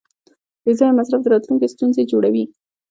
بېځایه مصرف د راتلونکي ستونزې جوړوي.